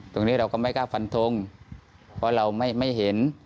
ตรงนี้เราก็ไม่กล้าฟันทงเพราะเราไม่เห็น